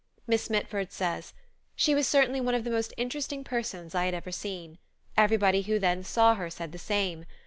Miss Mitford says: "She was certainly one of the most interesting persons I had ever seen. Everybody who then saw her said the same.